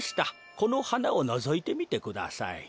このはなをのぞいてみてください。